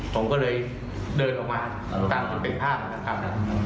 ผมก็เลยเดินออกมาตามจุดเป็นผ้าเหมือนกันครับนะ